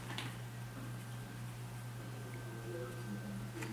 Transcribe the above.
Organizace pravidelně pořádá Světové festivaly mládeže a studentstva.